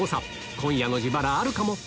今夜の自腹あるかも？